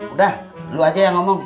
udah lu aja yang ngomong